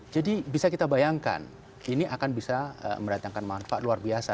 jadi bisa kita bayangkan ini akan bisa meratakan manfaat luar biasa